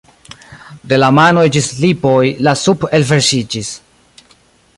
De la manoj ĝis lipoj la sup' elverŝiĝis.